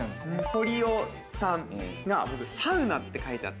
堀尾さんが僕「サウナ」って書いてあって。